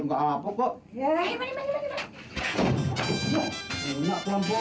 enggak enggak apa apa kok